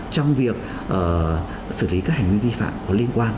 trong việc xử lý các hành vi vi phạm có liên quan